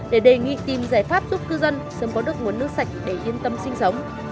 để đề nghị tìm giải pháp giúp cư dân sớm có được nguồn nước sạch để yên tâm sinh sống